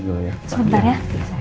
udah jarak pintar ya